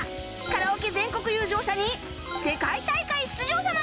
カラオケ全国優勝者に世界大会出場者まで！